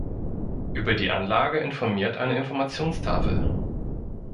Über die Anlage informiert eine Informationstafel.